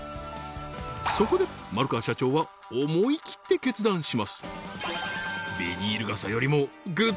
そこで丸川社長は思い切って決断します